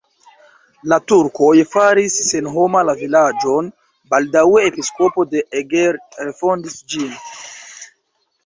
La turkoj faris senhoma la vilaĝon, baldaŭe episkopo de Eger refondis ĝin.